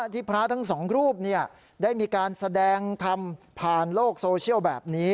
ที่พระทั้งสองรูปได้มีการแสดงทำผ่านโลกโซเชียลแบบนี้